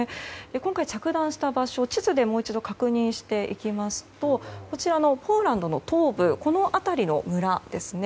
今回、着弾した場所地図で確認していきますとこちらのポーランドの東部この辺りの村ですね。